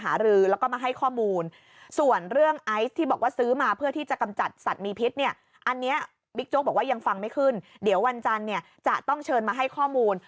อันนี้บิ๊กโจ๊กบอกว่ายังฟังไม่ขึ้นเดี๋ยววันจันทร์เนี่ยจะต้องเชิญมาให้ข้อมูล